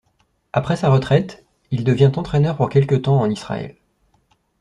Après sa retraite, il devient entraîneur pour quelque temps en Israël.